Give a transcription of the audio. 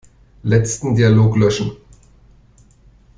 Letzten Dialog löschen.